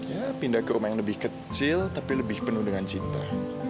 ya pindah ke rumah yang lebih kecil tapi lebih penuh dengan cinta